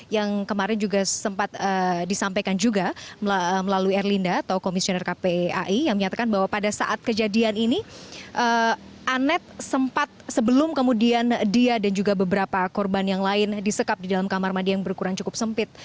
yang kemarin juga sempat disampaikan juga melalui erlinda atau komisioner kpai yang menyatakan bahwa pada saat kejadian ini anet sempat sebelum kemudian dia dan juga beberapa korban yang lain disekap di dalam kamar mandi yang berukuran cukup sempit